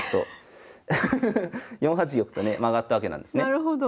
なるほど。